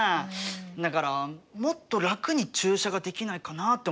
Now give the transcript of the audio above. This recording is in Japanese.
だからもっと楽に駐車ができないかなあって思って。